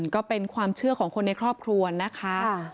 ก็เป็นความเชื่อของคนในครอบครัวนะคะ